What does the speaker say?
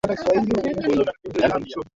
muda mrefu ili kupunguza uchafuzi wa hewa